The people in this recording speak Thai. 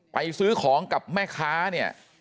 ซื้อของกับแม่ค้าเนี่ย